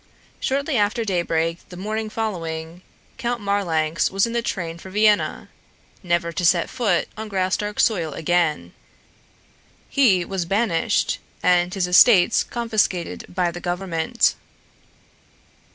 Shortly after daybreak the morning following. Count Marlanx was in the train for Vienna, never to set foot on Graustark's soil again. He was banished and his estates confiscated by the government.